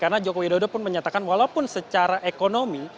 karena joko widodo pun menyatakan walaupun secara ekonomi